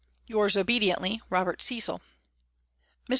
" Yours obediently, " ROBERT CECIL." Mr.